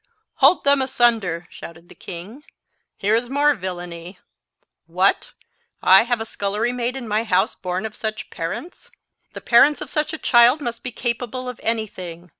"Hold them asunder," shouted the king. "Here is more villany! What! have I a scullery maid in my house born of such parents? The parents of such a child must be capable of any thing.